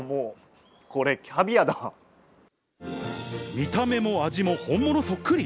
見た目も味も本物そっくり？！